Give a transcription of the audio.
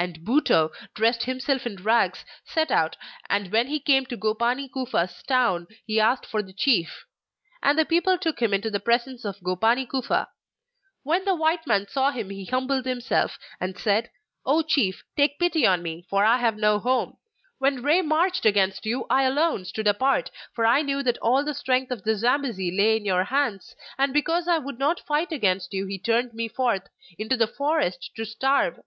And Butou, dressing himself in rags, set out, and when he came to Gopani Kufa's town he asked for the chief; and the people took him into the presence of Gopani Kufa. When the white man saw him he humbled himself, and said: 'O Chief! take pity on me, for I have no home! When Rei marched against you I alone stood apart, for I knew that all the strength of the Zambesi lay in your hands, and because I would not fight against you he turned me forth into the forest to starve!